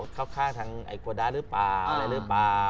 เข้าข้างทางไอ้โกดาหรือเปล่าอะไรหรือเปล่า